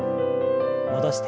戻して。